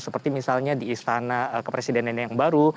seperti misalnya di istana kepresidenan yang baru